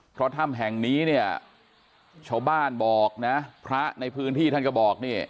เพราะถ้ำแห่งนี้เนี่ยชาวบ้านบอกนะพระในพื้นที่ท่านก็บอกเนี่ย